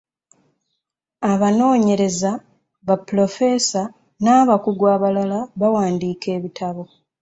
Abanoonyereza, ba pulofeesa, n'abakugu ablala bawandiika ebitabo.